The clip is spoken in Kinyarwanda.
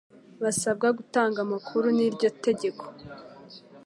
basabwa gutanga amakuru n'iryo tegeko